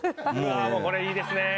うわこれいいですね。